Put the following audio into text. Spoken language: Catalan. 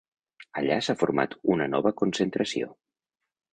Allà s’ha format una nova concentració.